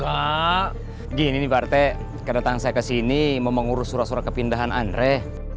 pak gini partai kedatang saya kesini mau mengurus surat surat kepindahan andre